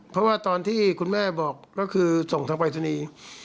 เพราะว่าตอนที่คุณแม่บอกก็คือส่งทางปรายศนีย์